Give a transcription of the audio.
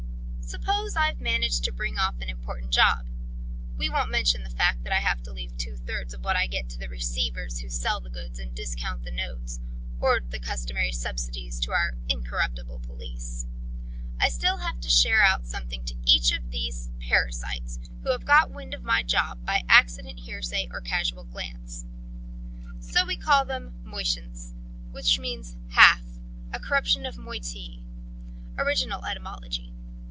Suppose I've managed to bring off an important job we won't mention the fact that I have to leave two thirds of what I get to the receivers who sell the goods and discount the notes, or the customary subsidies to our incorruptible police I still have to share out something to each one of these parasites, who have got wind of my job, by accident, hearsay, or a casual glance. "So we call them Motients, which means 'half,' a corruption of moitié ... Original etymology.